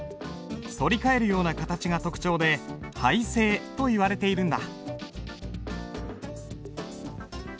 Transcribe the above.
反り返るような形が特徴で背勢といわれているんだ。